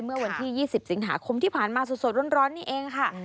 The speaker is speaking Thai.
เมื่อวันที่๒๐สิงหาคมที่ผ่านมาสดร้อนนี่เองค่ะ